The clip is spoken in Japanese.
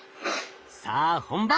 さあ本番！